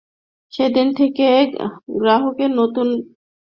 সেদিন থেকে গ্রাহকদের নতুন এই সেবা দিতে অপারেটররা প্রস্তুত।